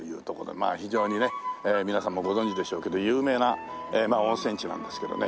まあ非常にね皆さんもご存じでしょうけど有名な温泉地なんですけどね。